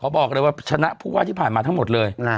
บอกเลยว่าชนะผู้ว่าที่ผ่านมาทั้งหมดเลย